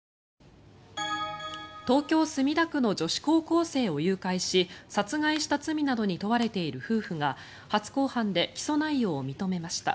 東京・墨田区の女子高校生を誘拐し殺害した罪などに問われている夫婦が初公判で起訴内容を認めました。